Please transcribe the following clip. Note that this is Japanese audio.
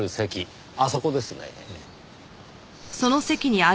あそこですねぇ。